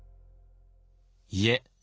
いえ。